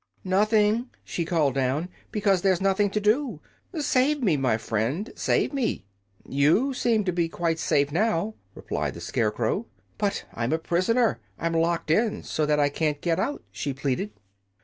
"Nothing," she called down, "because there's nothing to do. Save me, my friend save me!" "You seem to be quite safe now," replied the Scarecrow. "But I'm a prisoner. I'm locked in, so that I can't get out," she pleaded.